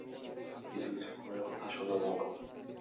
কিছু কিছু খুনের কথা শোনা ভাল।